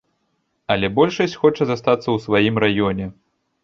Але большасць хоча застацца ў сваім раёне.